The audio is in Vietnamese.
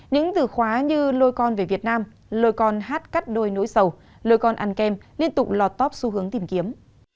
những từ khóa như lôi con về việt nam lôi con hát cắt đôi nỗi sầu lôi con ăn kem liên tục lọt tóp xu hướng tìm kiếm